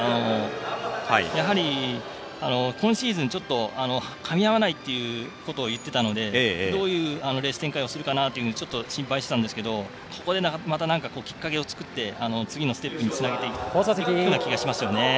やはり、今シーズンちょっとかみ合わないということを言っていたのでどういうレース展開をするか心配してたんですがここできっかけを作って次のステップにつなげていくような気がします。